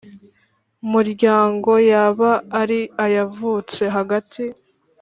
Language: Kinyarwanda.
Muryango yaba ari ayavutse hagati